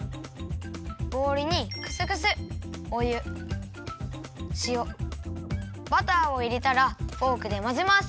ボールにクスクスお湯しおバターをいれたらフォークでまぜます。